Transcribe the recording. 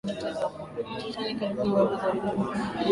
titanic ilikuwa na uhaba wa boti za kuokolea